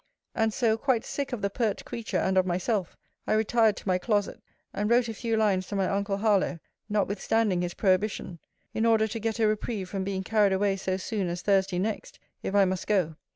And so, quite sick of the pert creature and of myself, I retired to my closet, and wrote a few lines to my uncle Harlowe, notwithstanding his prohibition; in order to get a reprieve from being carried away so soon as Thursday next, if I must go.